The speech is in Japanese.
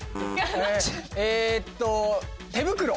えっと手袋。